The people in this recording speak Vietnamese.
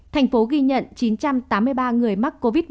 thành phố ghi nhận chín trăm tám mươi ba người mắc covid một mươi chín